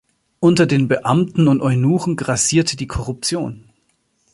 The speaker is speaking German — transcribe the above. Unter den Beamten und Eunuchen grassierte die Korruption.